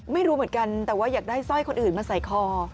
ไม่รู้เหมือนกันแต่ว่าอยากได้สร้อยคนอื่นมาใส่คอ